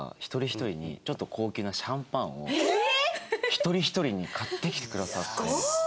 一人一人に買ってきてくださって。